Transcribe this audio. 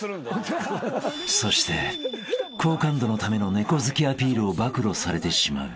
［そして好感度のための猫好きアピールを暴露されてしまう］